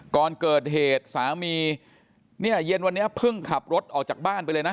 ก่อนเกิดเหตุสามีเนี่ยเย็นวันนี้เพิ่งขับรถออกจากบ้านไปเลยนะ